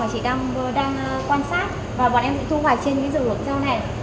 trực tiếp là cái dụng rau mà chị đang quan sát và bọn em sẽ thu hoạch trên cái dụng rau này